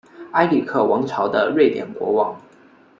埃里克王朝的瑞典国王。